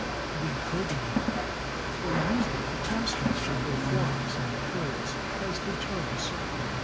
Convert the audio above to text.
They culti vated it or used it for pasturage of their flocks and herds as they chose.